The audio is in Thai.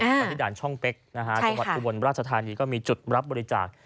กันที่ด่านช่องเป็กอุบลราชธานีก็มีจุดรับบริจาค